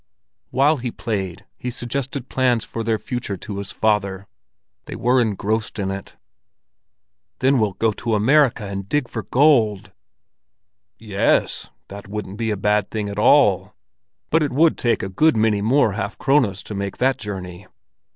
While he played, he suggested plans for their future to his father: they were engrossed in it. "Then we'll go to America, and dig for gold!" "Ye es, that wouldn't be a bad thing at all. But it would take a good many more half krones to make that journey."